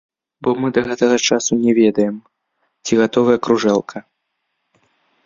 Бо мы да гэтага часу не ведаем, ці гатовая кружэлка.